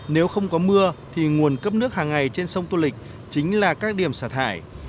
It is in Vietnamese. nếu không có mưa thì nguồn cấp nước hàng ngày trên sông tô lịch chính là các điểm sạt hải